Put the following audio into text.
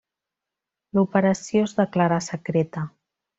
L'operació es declarà secreta.